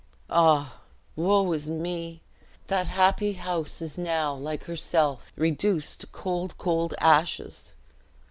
Ah! woe is me! that happy house is now, like herself, reduced to cold, cold ashes!